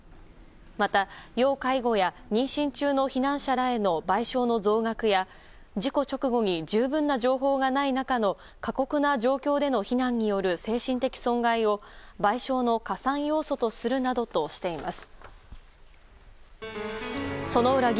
また、要介護や妊娠中の避難者らへの賠償の増額や事故直後に十分な情報がない中の過酷な状況での避難による精神的損害を賠償の加算要素とするなどとしています。